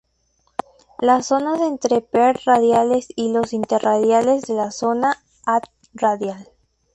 La zona entre los "per-radiales" y los "inter-radiales" es la zona "ad-radial".